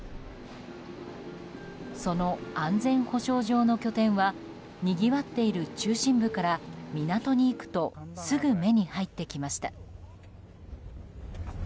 その安全保障上の拠点はにぎわっている中心部から港に行くとすぐ目に入ってきました。